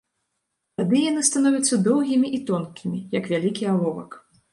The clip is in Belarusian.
Тады яны становяцца доўгімі і тонкімі, як вялікі аловак.